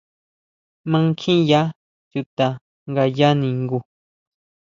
¿Mankjiya chuta ngaya ningu?